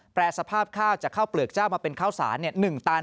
แปรสภาพข้าวจากข้าวเปลือกเจ้ามาเป็นข้าวสาร๑ตัน